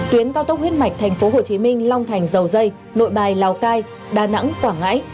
tuyến cao tốc huyết mạch tp hcm long thành dầu dây nội bài lào cai đà nẵng quảng ngãi